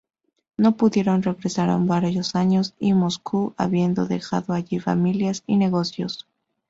No pudieron regresar en varios años a Moscú, habiendo dejado allí familias y negocios.